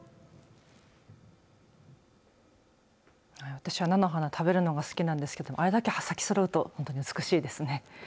私は菜の花食べるのが好きなんですけどあれだけ咲きそろうと本当に美しいですね。